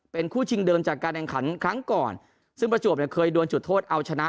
เป็นคู่ชิงเดิมจากการแข่งขันครั้งก่อนซึ่งประจวบเนี่ยเคยดวนจุดโทษเอาชนะ